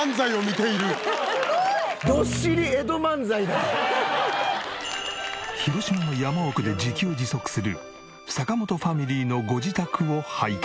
すごい！広島の山奥で自給自足する坂本ファミリーのご自宅を拝見。